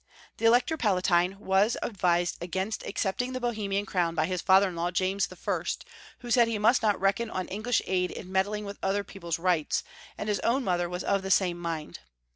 The Elector Palatine was advised against accept FlCr.DIXAXD IL Ferdinand IL 888 ing the Bohemian crowii by his father in law, James I., who said he must not reckon on English aid in meddling with other people's rights, and his own mother was of the same mind.